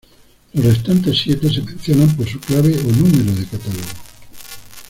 Los restantes siete se mencionan por su clave o número de catálogo.